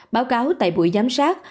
báo cáo tại buổi giám sát